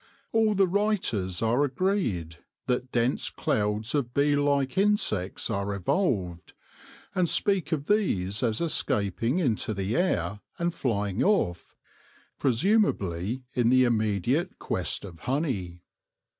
All the writers are agreed that dense clouds of bee like insects are evolved ; and speak of these as escaping into the air and flying off, presumably in the immediate quest of honey.